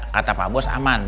kata pak bos aman